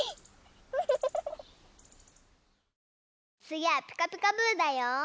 つぎは「ピカピカブ！」だよ。